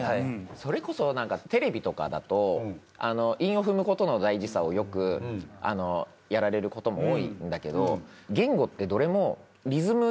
それこそテレビとかだと韻を踏むことの大事さをよくやられることも多いんだけど。